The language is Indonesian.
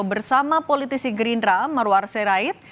bersama politisi gerindra marwar sirait